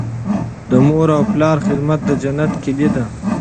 د مور او پلار خدمت د جنت کیلي ده.